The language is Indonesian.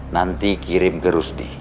nanti kirim ke rusdi